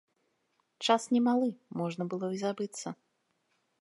Час немалы, можна было і забыцца.